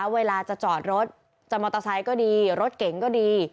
เวลาจะจอดรถจะมอเตอร์ไซค์ก็ดีรถเก๋งก็ดี